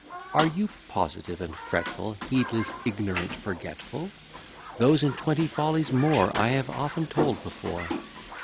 Are you positive and fretful, Heedless, ignorant, forgetful? Those, and twenty follies more, I have often told before.